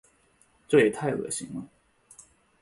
这也太恶心了。